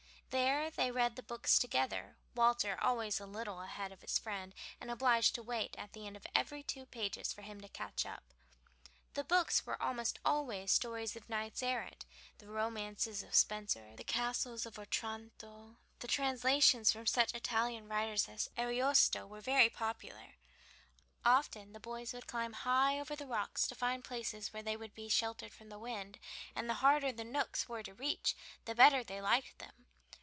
There they read the books together, Walter always a little ahead of his friend, and obliged to wait at the end of every two pages for him to catch up. The books were almost always stories of knights errant; the romances of Spenser, the "Castle of Otranto," and translations from such Italian writers as Ariosto, were very popular. Often the boys would climb high up over the rocks to find places where they would be sheltered from the wind, and the harder the nooks were to reach the better they liked them.